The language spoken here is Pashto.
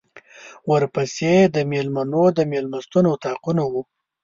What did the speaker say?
ورپسې د مېلمنو د مېلمستون اطاقونه وو.